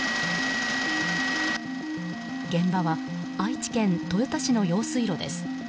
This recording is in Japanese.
現場は愛知県豊田市の用水路です。